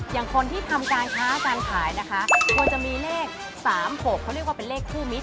อย่างคนที่ทำการค้าการขายนะคะควรจะมีเลข๓๖เขาเรียกว่าเป็นเลขคู่มิตร